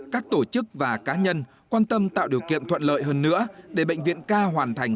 các tổ chức và cá nhân quan tâm tạo điều kiện thuận lợi hơn nữa để bệnh viện ca hoàn thành